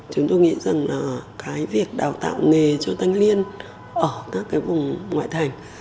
chúng tôi nghĩ rằng là cái việc đào tạo nghề cho thanh niên ở các cái vùng ngoại thành